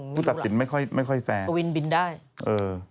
ผู้ตัดสินไม่ค่อยแฟร์เออไม่รู้ล่ะสวินบินได้